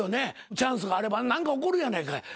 チャンスがあれば何か起こるやないかい。